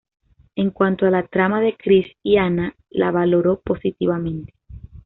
En cuanto a la trama de Chris y Anna la valoró positivamente.